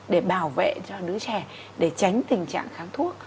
để bảo vệ cho đứa trẻ để tránh tình trạng kháng thuốc